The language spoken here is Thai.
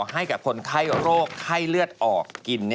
ให้กับคนไข้โรคไข้เลือดออกกิน